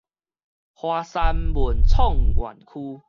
華山文創園區